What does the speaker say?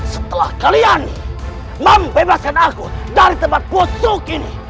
setelah kalian membebaskan aku dari tempat pocok ini